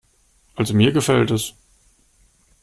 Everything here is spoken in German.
Also mir gefällt es.